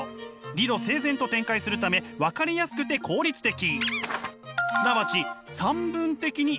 理論整然と展開するため分かりやすくて効率的。